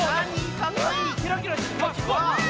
かっこいい！